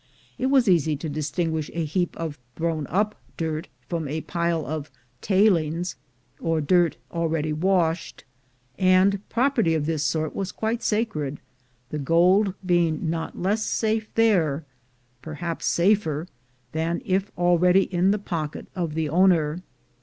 It was easy to distinguish a heap of thrown up dirt from a pile of "tailings," or dirt already washed, and property of this sort was quite sacred, the gold being not less safe there — perhaps safer — than if already in the pocket of the owner.